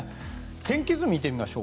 天気図を見てみます。